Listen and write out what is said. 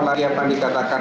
lagi apa yang dikatakan